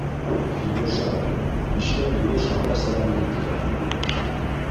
— Илғужа, нишләп еүеш ағас араһына керәһең?